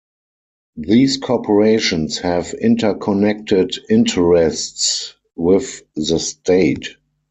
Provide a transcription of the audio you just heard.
These corporations have interconnected interests with the state.